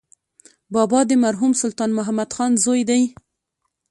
بابا د مرحوم سلطان محمد خان زوی دی.